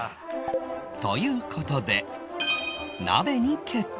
という事で鍋に決定